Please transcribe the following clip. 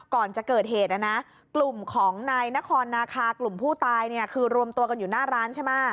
ก่อนจะเกิดเหตุนะนะกลุ่มของนายนครนาคากลุ่มผู้ตายเนี่ยคือรวมตัวกันอยู่หน้าร้านใช่ไหม